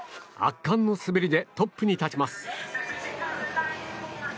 圧巻の滑りでトップに立ちます。